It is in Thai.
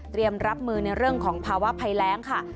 รับมือในเรื่องของภาวะภัยแรงค่ะ